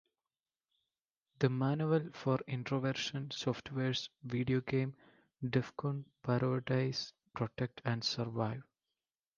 The manual for Introversion Software's video game "Defcon" parodies "Protect and Survive".